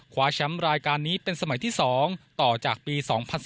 คว้าแชมป์รายการนี้เป็นสมัยที่๒ต่อจากปี๒๐๑๘